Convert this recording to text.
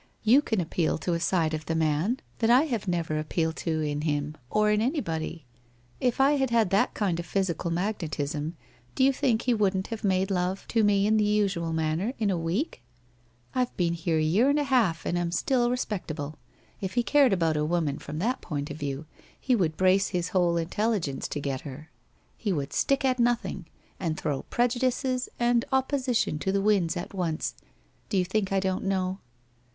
You can appeal to a side of the men that I have never appealed to in him, or in anybody. Tf I bad had that kind of physical magnetism, do you think he wouldn't have made love 206 WHITE ROSE OF WEARY LEAF to me in the usual manner, in a week? I've been here a year and a half and am still respectable. If he cared about a woman from that point of view he would brace his whole intelligence to get her, he would stick at nothing, and throw prejudices and opposition to the winds at once. Do you think I don't know?